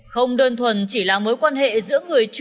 không đơn thuần chỉ là mối quan hệ giữa người chuyển nhượng và nhận thức